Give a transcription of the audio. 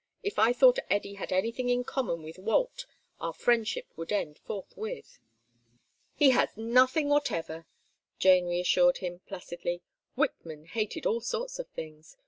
If I thought Eddy had anything in common with Walt, our friendship would end forthwith." "He has nothing whatever," Jane reassured him, placidly. "Whitman hated all sorts of things.